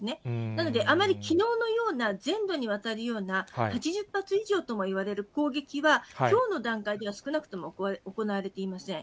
なので、あまりきのうのような、全土にわたるような８０発以上ともいわれる攻撃は、きょうの段階では少なくとも行われていません。